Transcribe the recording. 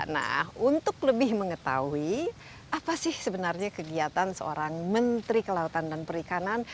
nah untuk lebih mengetahui apa sih sebenarnya kegiatan seorang menteri kelautan dan perikanan